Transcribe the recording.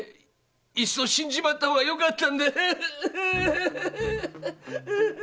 いっそ死んじまった方がよかったんだ。